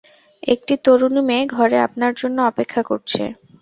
একটি তরুণী মেয়ে ঘরে আপনার জন্য অপেক্ষা করছে।